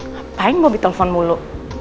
ngapain mau ditelepon mulu